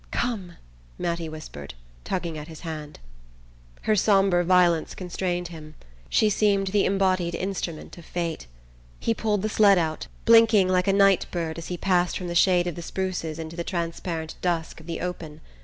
"Come!" Mattie whispered, tugging at his hand. Her sombre violence constrained him: she seemed the embodied instrument of fate. He pulled the sled out, blinking like a night bird as he passed from the shade of the spruces into the transparent dusk of the open.